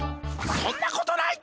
そんなことない！